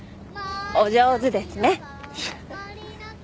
お上手ですね。